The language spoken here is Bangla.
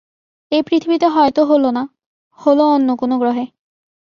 এই পৃথিবীতে হয়তো হল না, হল অন্য কোনো গ্রহে।